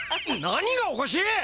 何がおかしい！